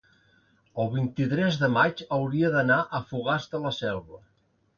el vint-i-tres de maig hauria d'anar a Fogars de la Selva.